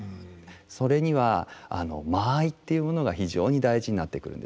それには間合いというものが非常に大事になってくるんですね。